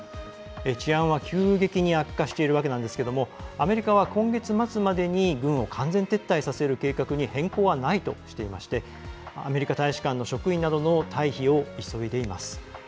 治安は急激に悪化しているわけなんですけどもアメリカは今月末までに軍を完全撤退させる計画に変更はないとしていましてアメリカ大使館の職員などの退避を急いでいます。